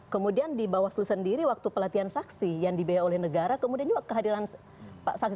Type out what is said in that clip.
kemudian di bawah suhu sendiri waktu pelatihan saksi yang dibea oleh negara kemudian juga kehadiran saksi saksi partai pun sangat tinggi